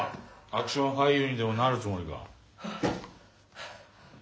アクション俳優にでもなるつもりか？